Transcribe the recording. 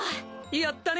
やったね！